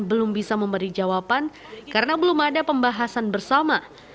belum bisa memberi jawaban karena belum ada pembahasan bersama